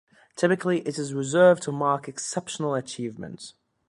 Typically it is reserved to mark exceptional achievement.